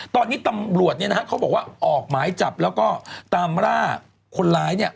ตอนนี้ตำรวจเนี่ยนะฮะเขาบอกว่าออกหมายจับแล้วก็ตามร่าคนร้ายเนี่ย